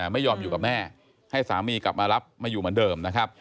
ไม่ยอมอยู่กับแม่ให้สามีกลับมารับมาอยู่เหมือนเดิมนะครับ